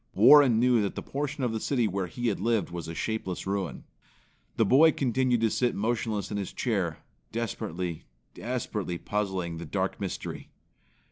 Warren knew that the portion of the city where he had lived was a shapeless ruin. The boy continued to sit motionless in his chair, desperately, desperately puzzling the dark mystery.